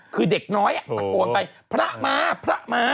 คือเด็กน้อยตะโกนไปพระมาพระมา